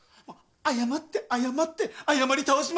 謝って謝って謝り倒しましょう。